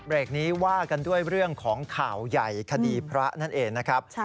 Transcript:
เบรกนี้ว่ากันด้วยเรื่องของข่าวใหญ่คดีพระนั่นเองนะครับ